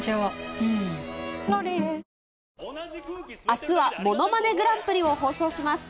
あすは、ものまねグランプリを放送します。